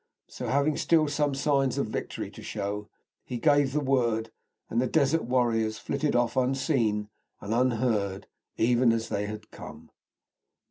So, having still some signs of victory to show, he gave the word, and the desert warriors flitted off unseen and unheard, even as they had come.